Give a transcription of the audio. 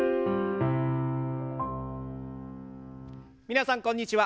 皆さんこんにちは。